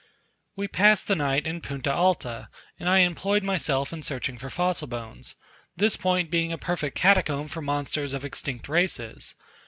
We passed the night in Punta Alta, and I employed myself in searching for fossil bones; this point being a perfect catacomb for monsters of extinct races.